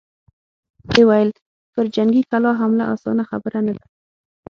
ويې ويل: پر جنګي کلا حمله اسانه خبره نه ده!